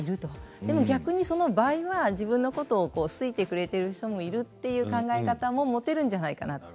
でも逆にその倍は自分のことを好いてくれてる人もいるっていう考え方も持てるんじゃないかな。